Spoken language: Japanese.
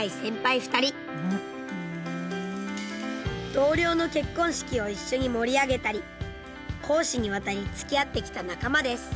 同僚の結婚式を一緒に盛り上げたり公私にわたりつきあってきた仲間です。